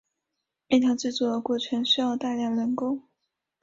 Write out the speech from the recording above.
面条制作过程需要大量人工。